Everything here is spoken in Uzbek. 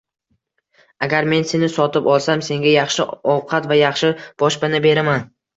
-Agar men seni sotib olsam, senga yaxshi ovqat va yaxshi boshpana beraman.